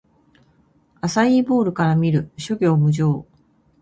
アサイーボウルから見る！諸行無常